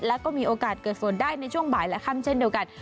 แล้วก็มีโอกาสเกิดฝนได้ในช่วงบ่ายและค่ำเช่นเดียวกัน